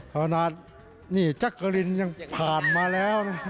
ขณะนี้จักรินยังผ่านมาแล้วนะครับ